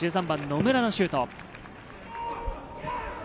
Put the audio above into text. １３番・野村のシュート。